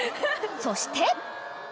［そして］